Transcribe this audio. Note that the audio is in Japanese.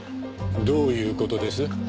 どういう事です？